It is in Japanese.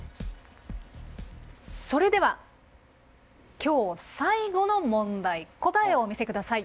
それでは今日最後の問題答えをお見せください。